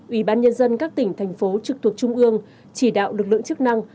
ủy ban nhân dân các tỉnh thành phố trực thuộc trung ương chỉ đạo lực lượng chức năng